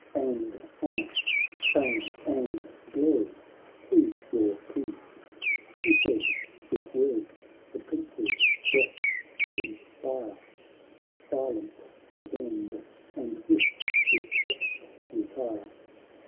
And honour, fame, and glory to your King.' He said ; his words the Princes' breasts inspire : Silent they bend, and with respect retire.